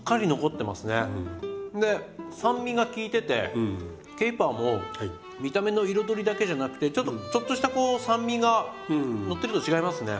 で酸味が効いててケイパーも見た目の彩りだけじゃなくてちょっとしたこう酸味がのってると違いますね。